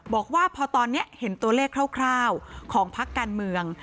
บอกว่าพอตอนนี้เห็นตัวเลขคร่าวของพักการเมือง